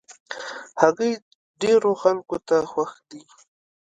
هګۍ ډېرو خلکو ته خوښ دي.